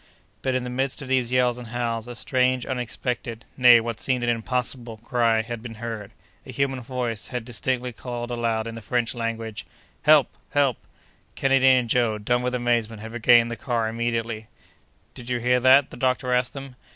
But, in the midst of these yells and howls, a strange, unexpected—nay what seemed an impossible—cry had been heard! A human voice had, distinctly, called aloud in the French language— "Help! help!" Kennedy and Joe, dumb with amazement, had regained the car immediately. "Did you hear that?" the doctor asked them.